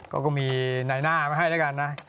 ก็มีนายหน้ามาให้แล้วกันนะ